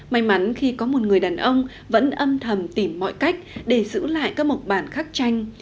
may mắn khi có một người đàn ông vẫn âm thầm tìm mọi cách để giữ lại các mộc bản khắc tranh